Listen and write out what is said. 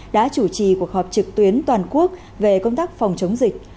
đã chủ trì cuộc họp trực tuyến toàn quốc về công tác phòng chống dịch